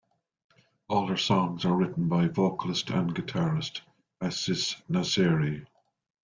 All their songs are written by vocalist and guitarist, Asis Nasseri.